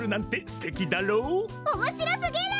おもしろすぎる！